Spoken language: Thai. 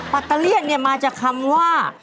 ปาร์ตาเลียนมาจากคำว่า